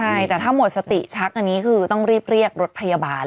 ใช่แต่ถ้าหมดสติชักอันนี้คือต้องรีบเรียกรถพยาบาล